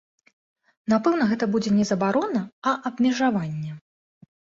Напэўна, гэта будзе не забарона, а абмежаванне.